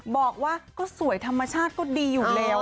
บอกว่าก็สวยธรรมชาติก็ดีอยู่แล้ว